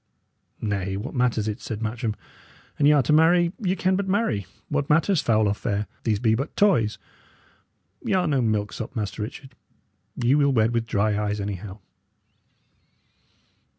"Nay, what matters it?" said Matcham. "An y' are to marry, ye can but marry. What matters foul or fair? These be but toys. Y' are no milksop, Master Richard; ye will wed with dry eyes, anyhow."